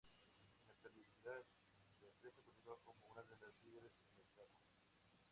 En la actualidad la empresa continúa como una de las líderes en el mercado.